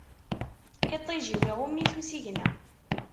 Iṭij-iw, iɣumm-it usigna.